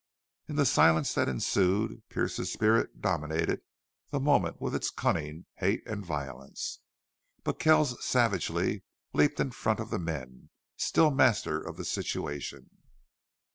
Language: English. In the silence that ensued Pearce's spirit dominated the moment with its cunning, hate, and violence. But Kells savagely leaped in front of the men, still master of the situation.